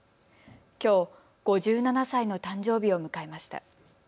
きょう５７歳の誕生日を迎えました。